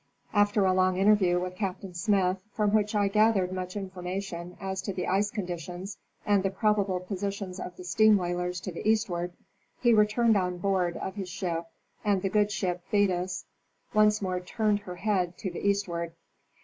After a long interview with Captain Smith, from which I gathered much information as to the ice conditions and the probable positions of the steam whalers to the eastward, he returned on board of his ship, and the good ship Thetis once more turned her head to the eastward.